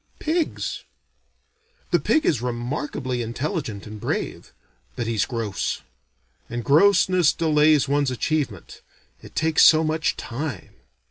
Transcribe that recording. Pigs? The pig is remarkably intelligent and brave, but he's gross; and grossness delays one's achievement, it takes so much time.